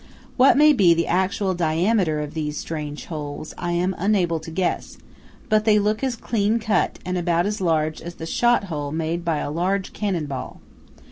What may be the actual diameter of these strange holes, I am unable to guess; but they look as clean cut, and about as large as the shot hole made by a large cannon ball.